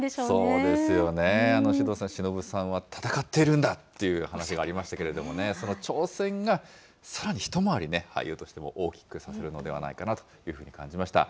そうですよね、獅童さん、しのぶさんは闘っているんだという話がありましたけどね、その挑戦がさらに一回りね、俳優としても大きくさせるのではないかなというふうに感じました。